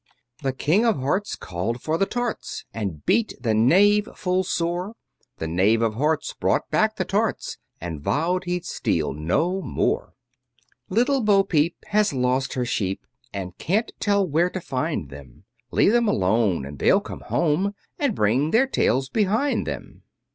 The King of Hearts called for the tarts, And beat the Knave full sore; The Knave of Hearts brought back the tarts, And vowed he'd steal no more. Little Bo peep has lost her sheep, And can't tell where to find them; Leave them alone, and they'll come home, And bring their tails behind them.